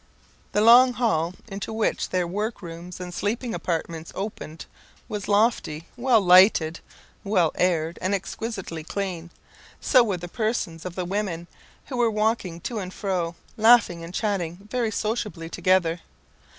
The long hall into which their work rooms and sleeping apartments opened was lofty, well lighted, well aired, and exquisitely clean; so were the persons of the women, who were walking to and fro, laughing and chatting very sociably together.